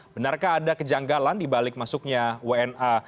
benarkah ada kejanggalan di balik masuknya wna